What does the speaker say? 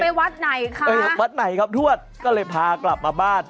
อยากไปวัดไหนคะอยากไปวัดไหนครับทวชก็เลยพากลับมาบ้าน